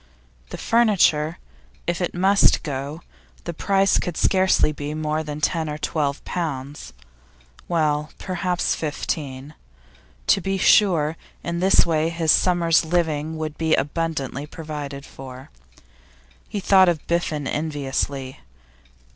The furniture? If it must go, the price could scarcely be more than ten or twelve pounds; well, perhaps fifteen. To be sure, in this way his summer's living would be abundantly provided for. He thought of Biffen enviously.